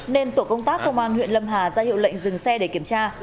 nên tổ công tác công an huyện lâm hà ra hiệu lệnh dừng xe để kiểm tra